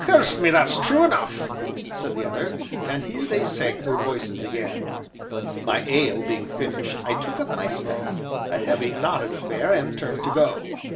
"Curse me, that's true enough!" said the other, and here they sank their voices again. My ale being finished, I took up my staff, a heavy, knotted affair, and turned to go.